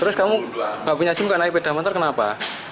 terus kamu tidak punya simpulkan air pedang kenapa